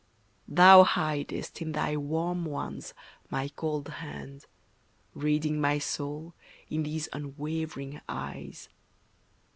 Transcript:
Thou hidest in thy warm ones my cold hand, Reading my soul in these unwavering eyes.